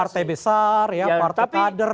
partai besar partai pader